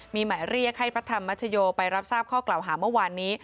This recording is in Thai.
มีหมายเรียกให้พระธรรมชโยไปรับทราบข้อกล่าวหาเมื่อวานนี้